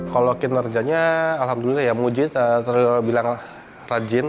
kalau kinerjanya alhamdulillah ya muji terbilang rajin